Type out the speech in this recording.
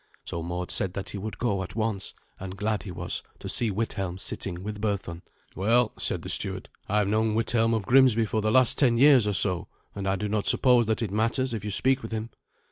So Mord said that he would go at once; and glad he was to see Withelm sitting with Berthun, "Well," said the steward, "I have known Withelm of Grimsby for the last ten years or so, and I do not suppose that it matters if you speak with him."